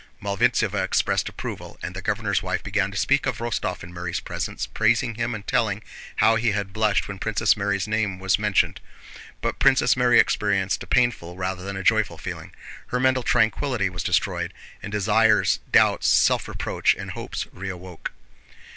Malvíntseva expressed approval, and the governor's wife began to speak of Rostóv in Mary's presence, praising him and telling how he had blushed when Princess Mary's name was mentioned. But Princess Mary experienced a painful rather than a joyful feeling—her mental tranquillity was destroyed, and desires, doubts, self reproach, and hopes reawoke.